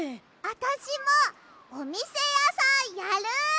あたしもおみせやさんやる！